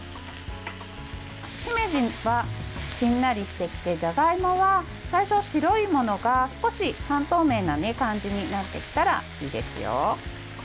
しめじは、しんなりしてきてじゃがいもは最初、白いものが少し半透明な感じになってきたらいいですよ。